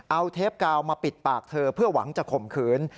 เอาเทปกาวมาปิดปากเธอเพื่อหวังจะข่มขืน